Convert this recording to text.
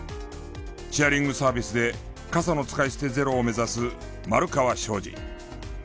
シェアリングサービスで傘の使い捨てゼロを目指す丸川照司。